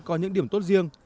có những điểm tốt riêng